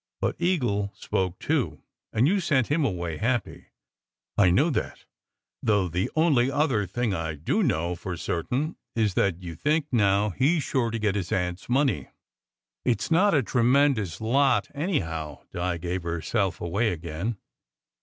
But Eagle spoke, too, and you sent him away happy. I know that; though the only other thing I do know for certain, is that you think now he s sure to get his aunt s money." "It s not such a tremendous lot, anyhow," Di gave her self away again.